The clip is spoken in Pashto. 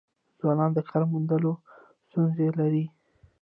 ځوانان د کار موندلو ستونزه لري.